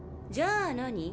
じゃあ何？